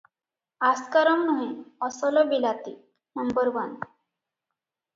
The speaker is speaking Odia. ଆସ୍କା ରମ୍ ନୁହେଁ, ଅସଲ ବିଲାତୀ, ନମ୍ବର ଉଆନ୍!